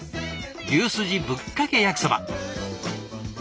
牛スジぶっかけ焼きそば。